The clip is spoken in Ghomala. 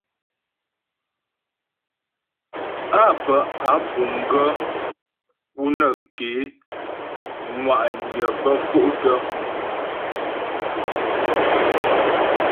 Á bə́ á puŋ gaə́ pú nə́ ké ŋwa'nyə bə́ fôktə.